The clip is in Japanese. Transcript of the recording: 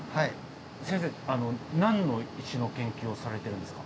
先生何の石の研究をされてるんですか？